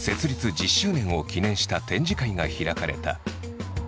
１０周年を記念した展示会が開かれた。